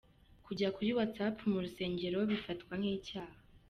Kujya kuri Whatsapp mu rusengero bifatwa nk'icyaha.